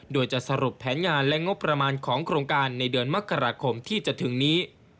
โดยจะสรุปแผนงานและงบประมาณของโครงการในเดือนมกราคมที่จะถึงนี้